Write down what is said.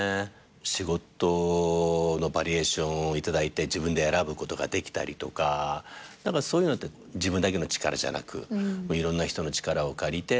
仕事のバリエーションを頂いて自分で選ぶことができたりとか何かそういうのって自分だけの力じゃなくいろんな人の力を借りて。